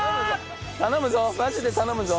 頼むぞマジで頼むぞ。